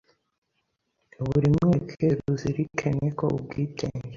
buri mweke ruzirikene ko ubwitenge